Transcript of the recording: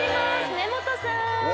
根本さん。